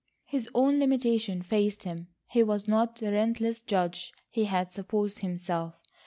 His own limitations faced him. He was not the relentless judge he had supposed himself.